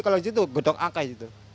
kalau di situ gedok akai